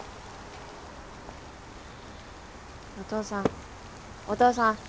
お父さんお父さん